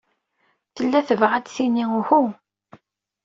Tella tebɣa ad d-tini uhu.